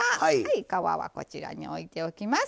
皮はこちらに置いておきます。